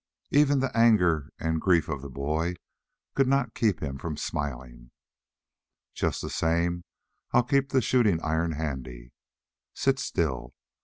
Even the anger and grief of the boy could not keep him from smiling. "Just the same I'll keep the shooting iron handy. Sit still.